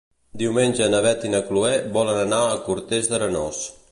Diumenge na Beth i na Chloé volen anar a Cortes d'Arenós.